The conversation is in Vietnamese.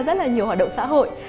rất là nhiều hoạt động xã hội